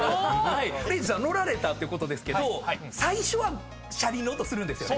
礼二さん乗られたってことですけど最初は車輪の音するんですよね。